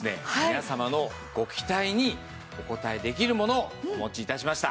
皆様のご期待にお応えできるものをお持ち致しました。